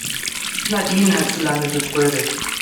Nadine hat zu lange getrödelt.